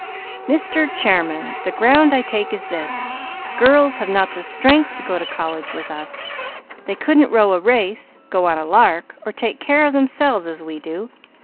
"Mr. Chairman, the ground I take is this: girls have not the strength to go to college with us. They couldn't row a race, go on a lark, or take care of themselves, as we do.